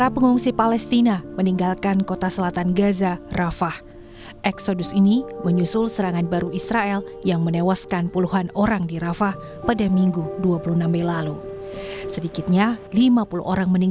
pengungsi palestina meninggalkan kota selatan gaza rafah